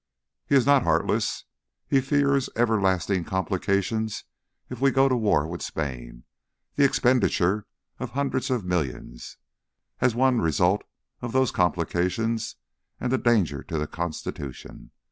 "He is not heartless. He fears everlasting complications if we go to war with Spain, the expenditure of hundreds of millions, as one result of those complications, and danger to the Constitution.